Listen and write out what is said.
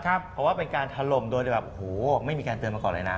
เพราะว่าเป็นการถล่มโดยแบบโอ้โหไม่มีการเตือนมาก่อนเลยนะ